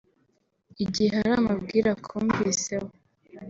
Igihe hari amabwire akumviseho